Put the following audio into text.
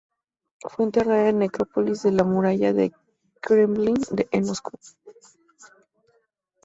Fue enterrada en la Necrópolis de la Muralla del Kremlin en Moscú.